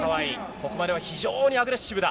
ここまでは非常にアグレッシブだ。